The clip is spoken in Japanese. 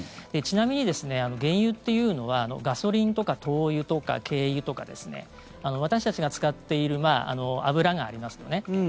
ちなみに原油っていうのはガソリンとか灯油とか軽油とか私たちが使っている油がありますよね。